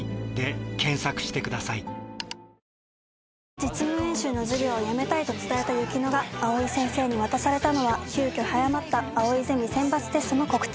実務演習の授業をやめたいと伝えた雪乃が藍井先生に渡されたのは急きょ早まった藍井ゼミ選抜テストの告知。